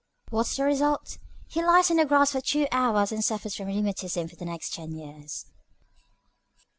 What's the result? He lies on the grass for two hours and suffers from rheumatism for the next ten years."